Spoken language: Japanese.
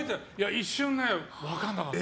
一瞬、分からなかった。